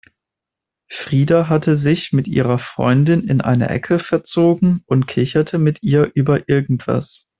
Frida hatte sich mit ihrer Freundin in eine Ecke verzogen und kicherte mit ihr über irgendwas.